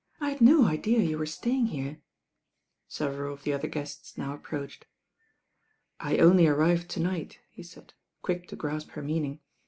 I had no idea you were staying here.'* Several of the ot^ier guettt now approadied. "I only arrived to night," he said, quick to graip her meaning.